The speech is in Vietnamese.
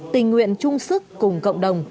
tình nguyện chung sức cùng cộng đồng